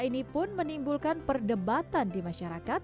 ini pun menimbulkan perdebatan di masyarakat